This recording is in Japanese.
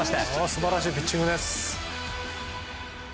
素晴らしいピッチングです。